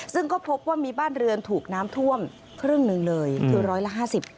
ซึ่งก็พบว่ามีบ้านเรือนถูกน้ำท่วมครึ่งหนึ่งเลยคือร้อยละห้าสิบ